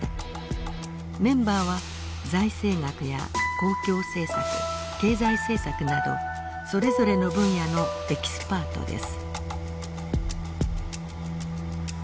メンバーは財政学や公共政策経済政策などそれぞれの分野のエキスパートです。